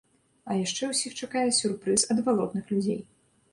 А яшчэ ўсіх чакае сюрпрыз ад балотных людзей.